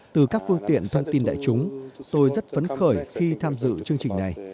từ các phương tiện thông tin đại chúng tôi rất phấn khởi khi tham dự chương trình này